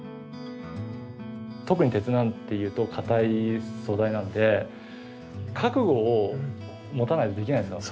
特に鉄なんていうと硬い素材なんで覚悟を持たないとできないんですよ。